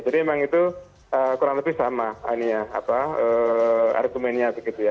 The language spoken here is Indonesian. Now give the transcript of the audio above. jadi memang itu kurang lebih sama ini ya argumennya begitu ya